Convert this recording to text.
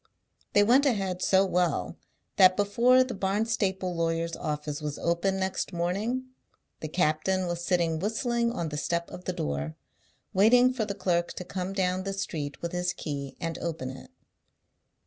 They went ahead so well that before the Barnstaple lawyer's office was open next morning, the captain was sitting whistling on the step of the door, waiting for the clerk to come down the street with his key and open it.